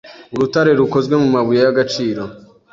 Urutare rukozwe mu mabuye y'agaciro